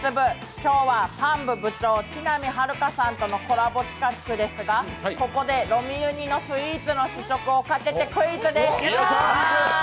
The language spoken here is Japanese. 今日はパン部部長の木南晴夏さんとのコラボ企画ですが、ここでロミユニのスイーツをかけてクイズです。